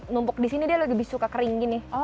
numpuk di sini lebih suka kering